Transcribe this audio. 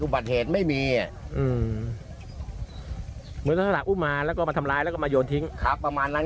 อุบัติเหตุไม่มีมาแล้วก็ทำร้ายแล้วก็มาโจรทิ้งประมาณนั้น